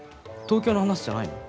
東京の話じゃないの？